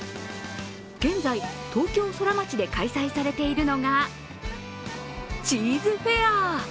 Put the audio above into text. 現在、東京ソラマチで開催されているのがチーズフェア。